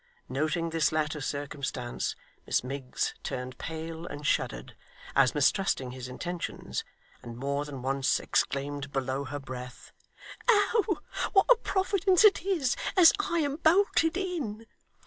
Noting this latter circumstance, Miss Miggs turned pale and shuddered, as mistrusting his intentions; and more than once exclaimed, below her breath, 'Oh! what a Providence it is, as I am bolted in!